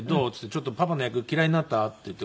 「ちょっとパパの役嫌いになった？」っていって。